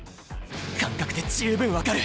感覚で十分分かる。